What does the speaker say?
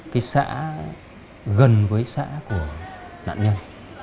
cái xã gần với xã của nạn nhân